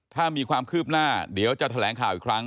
ถ้ามีความคืบหน้าเดี๋ยวจะแถลงข่าวอีกครั้ง